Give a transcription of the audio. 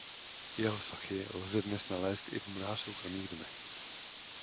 Jeho sochy lze dnes nalézt v mnoha soukromých domech.